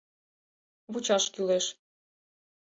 Вучаш кӱлеш.